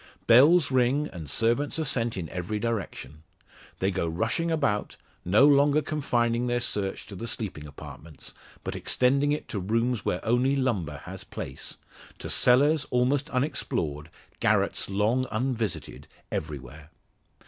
Bells ring, and servants are sent in every direction. They go rushing about, no longer confining their search to the sleeping apartments, but extending it to rooms where only lumber has place to cellars almost unexplored, garrets long unvisited, everywhere.